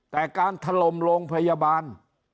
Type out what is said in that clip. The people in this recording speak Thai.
แต่การถล่มโรงพยาบาล